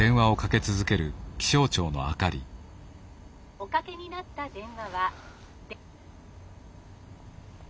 「おかけになった電話は」。